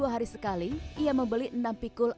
dua hari sekali ia membeli enam pikul